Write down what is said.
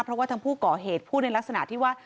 เพราะว่าทางผู้ก่อเหตุพูดในลักษณะที่ว่า